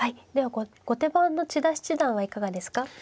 では後手番の千田七段はいかがですか。